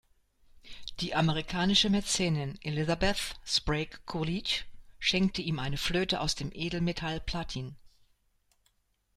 Die amerikanische Mäzenin Elizabeth Sprague Coolidge schenkte ihm eine Flöte aus dem Edelmetall Platin.